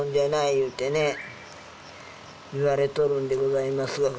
いうてね言われとるんでございます